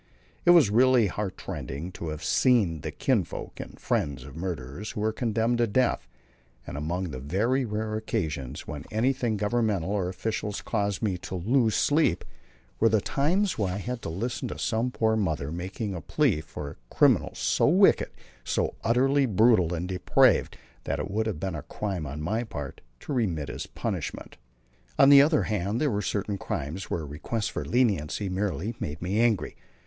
It was really heartrending to have to see the kinsfolk and friends of murderers who were condemned to death, and among the very rare occasions when anything governmental or official caused me to lose sleep were the times when I had to listen to some poor mother making a plea for a criminal so wicked, so utterly brutal and depraved, that it would have been a crime on my part to remit his punishment. On the other hand, there were certain crimes where requests for leniency merely made me angry.